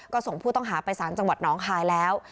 ก็ส่งผู้ต้องหาไปสารจังหวัดน้องคายแล้ว